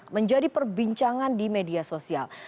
menjadi perbincangan di media sosial